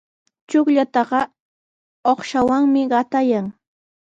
Chukllataqa uqshawanmi qatayan.